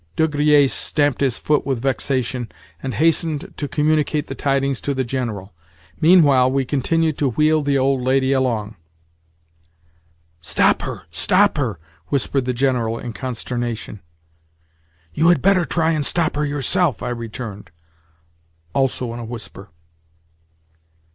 De Griers stamped his foot with vexation, and hastened to communicate the tidings to the General. Meanwhile we continued to wheel the old lady along. "Stop her, stop her," whispered the General in consternation. "You had better try and stop her yourself," I returned—also in a whisper.